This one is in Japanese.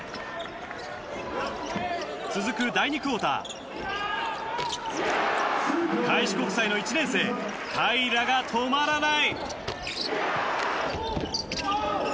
続く第２クオーター開志国際の１年生平良が止まらない！